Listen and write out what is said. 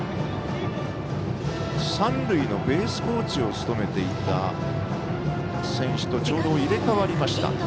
三塁のベースコーチを務めていた選手とちょうど入れ代わりました。